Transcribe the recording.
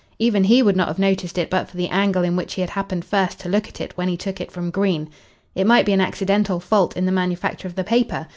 Even he would not have noticed it but for the angle in which he had happened first to look at it when he took it from Green. It might be an accidental fault in the manufacture of the paper.